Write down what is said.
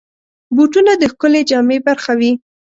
بوټونه د ښکلې جامې برخه وي.